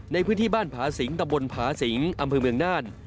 ในพื้นที่บ้านผาสิงตะบนผาสิงอำเภอเมืองน่าน